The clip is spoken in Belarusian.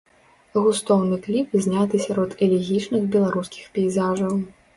Густоўны кліп зняты сярод элегічных беларускіх пейзажаў.